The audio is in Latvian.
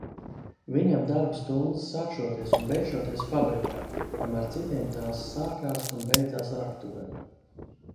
Viņam darba stundas sākšoties un beigšoties fabrikā, kamēr citiem tās sākās un beidzās raktuvē.